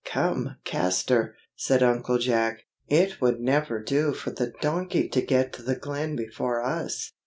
come, Castor!" said Uncle Jack, "it would never do for the donkey to get to the Glen before us."